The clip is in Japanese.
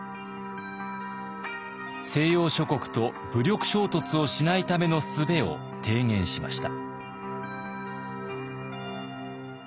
西洋諸国と武力衝突をしないためのすべを提言しました。